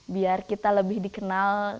biar kita lebih dikenal